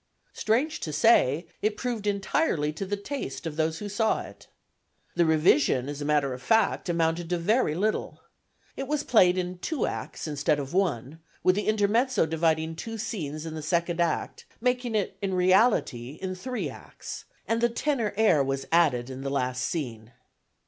Strange to say, it proved entirely to the taste of those who saw it. The revision, as a matter of fact, amounted to very little. It was played in two acts instead of one, with the intermezzo dividing two scenes in the second act, making it, in reality, in three acts, and the tenor air was added in the last scene.